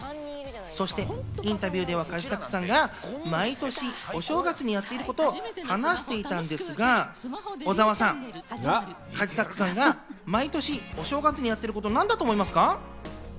そしてインタビューではカジサックさんが毎年お正月にやってることを話していたんですが、小澤さん、カジサックさんが毎年、お正月にやっていること、なんだと思いますか？